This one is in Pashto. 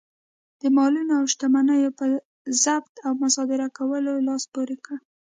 د مالونو او شتمنیو په ضبط او مصادره کولو لاس پورې کړ.